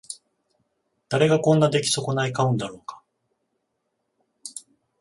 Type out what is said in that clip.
誰がこんな出来損ない買うんだろうか